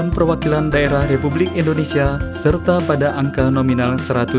dewan perwakilan rakyat dan dewan perwakilan daerah republik indonesia serta pada angka nominal seratus